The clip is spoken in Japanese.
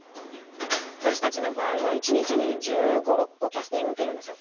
私たちの場合は一日に１５１６個キャスティング受けるんですよ。